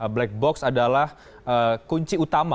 black box adalah kunci utama